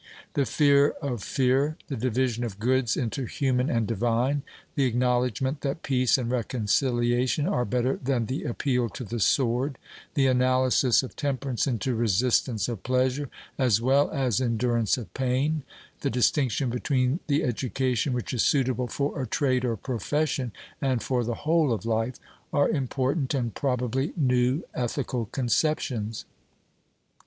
The fear of fear, the division of goods into human and divine, the acknowledgment that peace and reconciliation are better than the appeal to the sword, the analysis of temperance into resistance of pleasure as well as endurance of pain, the distinction between the education which is suitable for a trade or profession, and for the whole of life, are important and probably new ethical conceptions.